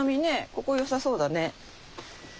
ここよさそうだね。